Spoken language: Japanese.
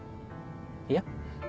いや。